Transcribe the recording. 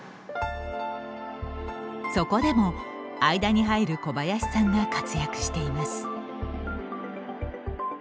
そこでも、間に入る小林さんが活躍しています。